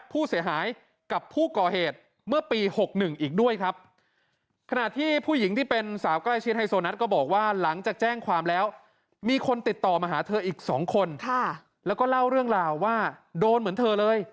ผู้เสียหายกับผู้ก่อเหตุเมื่อปี๖๑อีกด้วยครับขณะที่ผู้หญิงที่เป็นสาวใกล้ชิดไฮโซนัทก็บอกว่าหลังจากแจ้งความแล้วมีคนติดต่อมาหาเธออีก๒คนแล้วก็เล่าเรื่องราวว่าโดนเหมือนเธอเลย